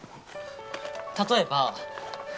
例えば。